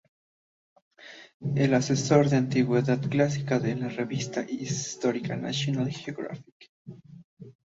Es asesor de antigüedad clásica en la revista "Historia National Geographic".